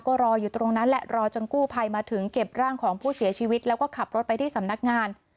ก็รออยู่ตรงนั้นแหละรอจนกู้ภัยมาถึงเก็บร่างของผู้เสียชีวิตแล้วก็ขับรถไปที่สำนักงาน